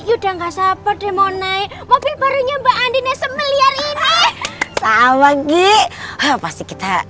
udah nggak sabar demo naik mobil barunya mbak andi semeliar ini sama gita pasti kita